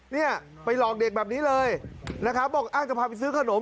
เนี่ยไปหลอกเด็กแบบนี้เลยนะครับบอกอ้างจะพาไปซื้อขนม